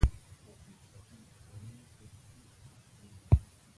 دا بنسټونه په ټولنه کې شته سرچینې وزبېښي.